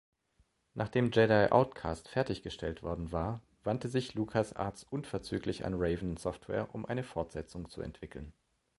Nachdem „Jedi Outcast“ fertiggestellt worden war, wandte sich LucasArts unverzüglich an Raven Software, um eine Fortsetzung zu entwickeln.